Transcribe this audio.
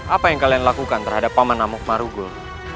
apa yang kalian lakukan terhadap paman namok marugul